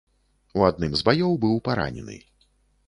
У адным з баёў быў паранены.